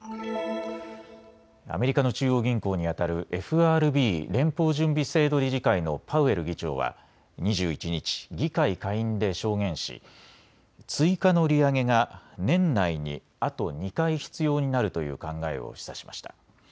アメリカの中央銀行にあたるＦＲＢ・連邦準備制度理事会のパウエル議長は２１日、議会下院で証言し追加の利上げが年内にあと２回必要になるという考えを示唆しました。